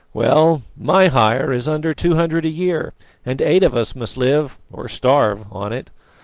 Well, my hire is under two hundred a year, and eight of us must live or starve on it.